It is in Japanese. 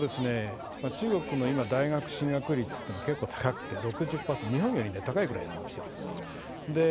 中国の今、大学進学率っていうのは結構高くて、６０％、日本より高いぐらいなんですよ。